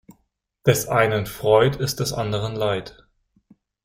Des einen Freud ist des anderen Leid.